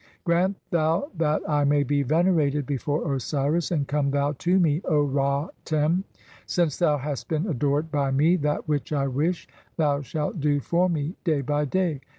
Grant thou that "I may be venerated before Osiris, and come thou [to me], O "Ra Tem. Since thou hast been adored [by me] that which I "wish thou shalt do for me day by day.